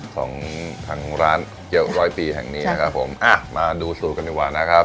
ของทางร้านเจียวร้อยปีแห่งนี้นะครับผมอ่ะมาดูสูตรกันดีกว่านะครับ